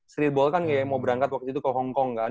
streetball kan kayak mau berangkat waktu itu ke hongkong kan